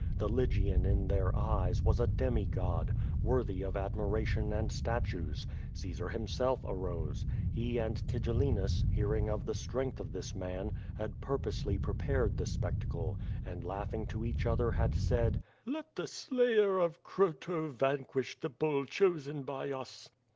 The Lygian, in their eyes, was a demi god, worthy of admira tion and statues. Caesar himself arose. He and Tigellinus, hearing of the strength of this man, had purposely prepared the spectacle, and laughing to each other, had said: "Let the slayer of Croto vanquish the bull chosen by us."